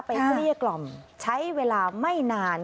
เกลี้ยกล่อมใช้เวลาไม่นาน